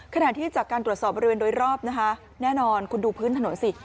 ขณะที่จากการตรวจสอบบริเวณโดยรอบนะคะแน่นอนคุณดูพื้นถนนสิ